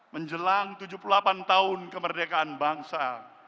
menjelang tujuh puluh delapan tahun kemerdekaan bangsa